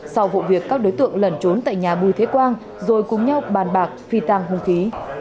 sau vụ việc các đối tượng lẩn trốn tại nhà bùi thế quang rồi cùng nhau bàn bạc phi tàng hùng khí